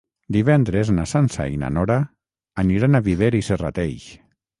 Divendres na Sança i na Nora aniran a Viver i Serrateix.